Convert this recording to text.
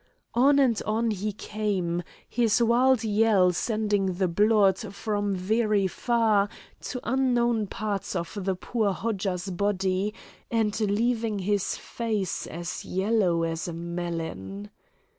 On and on he came, his wild yell sending the blood, from very fear, to unknown parts of the poor Hodja's body and leaving his face as yellow as a melon.